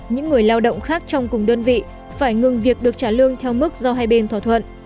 những người lao động khác trong cùng đơn vị phải ngừng việc được trả lương theo mức do hai bên thỏa thuận